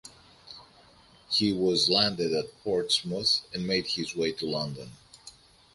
He was landed at Portsmouth and made his way to London.